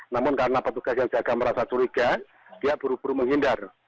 namun karena petugas yang jaga merasa curiga dia buru buru menghindar